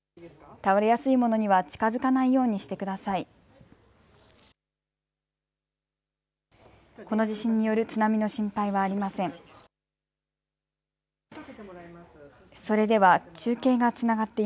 倒れやすいものには近づかないようにしてください。